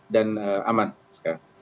dan aman sekarang